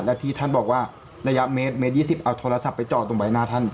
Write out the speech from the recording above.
และที่ท่านบอกว่าระยะเมตร๒๐เอาโทรศัพท์ไปจอดตรงใบหน้าท่าน